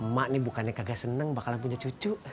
mak ini bukannya gak senang bakalan punya cucu